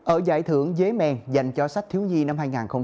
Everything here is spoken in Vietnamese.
ở giải thưởng giế mèn dành cho sách thiếu nhi năm hai nghìn hai mươi một